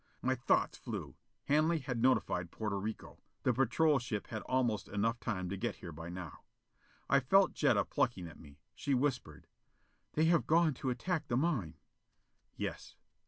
My thoughts flew. Hanley had notified Porto Rico. The patrol ship had almost enough time to get here by now. I felt Jetta plucking at me. She whispered: "They have gone to attack the mine." "Yes."